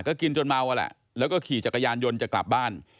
ก็กินจนเมาอะแหละแล้วก็ขี่จักรยานยนต์จะกลับบ้าน